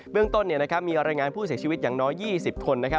เรื่องต้นมีรายงานผู้เสียชีวิตอย่างน้อย๒๐คน